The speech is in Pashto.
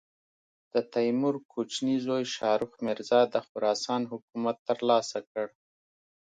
د تیمور کوچني زوی شاهرخ مرزا د خراسان حکومت تر لاسه کړ.